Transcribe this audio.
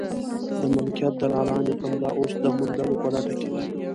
د ملکیت دلالان یې همدا اوس د موندلو په لټه کې دي.